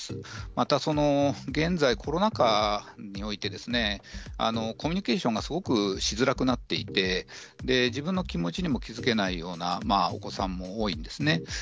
また現在、コロナ禍においてコミュニケーションがすごくしづらくなっていて自分の気持ちにも気付けないようなお子さんも多いんです。